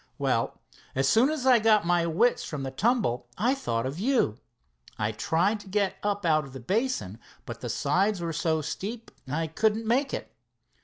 "Well, as soon as I got my wits from the tumble, I thought of you. I tried to get up out of the basin, but the sides were so steep I couldn't make it.